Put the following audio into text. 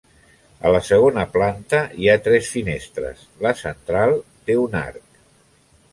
A la segona planta hi ha tres finestres, la central té un arc.